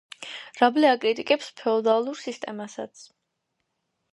რაბლე აკრიტიკებს ფეოდალურ სისტემასაც.